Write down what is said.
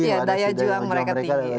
iya daya juang mereka tinggi